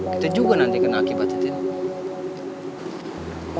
kita juga nanti kena akibatnya sindi